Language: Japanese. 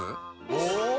お！